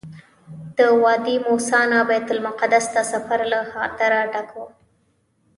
د وادي موسی نه بیت المقدس ته سفر له خطره ډک وو.